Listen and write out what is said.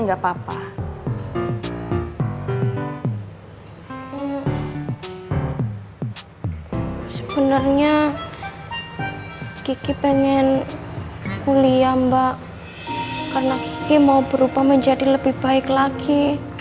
enggak apa apa sebenarnya kiki pengen kuliah mbak karena dia mau berubah menjadi lebih baik lagi